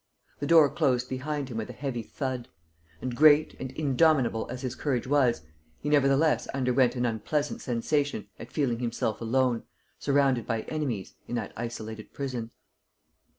The door closed behind him with a heavy thud; and, great and indomitable as his courage was, he nevertheless underwent an unpleasant sensation at feeling himself alone, surrounded by enemies, in that isolated prison.